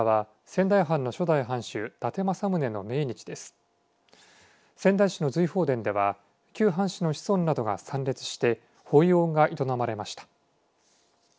仙台市の瑞鳳殿では旧藩士の子孫などが参列して法要が営まれました。